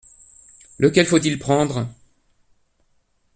Lequel faut-il prendre ?